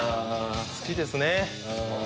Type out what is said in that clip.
好きですね。